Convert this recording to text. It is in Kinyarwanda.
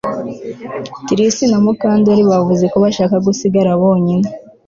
Trix na Mukandoli bavuze ko bashaka gusigara bonyine